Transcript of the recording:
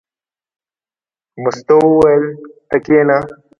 مستو وویل: ته کېنه.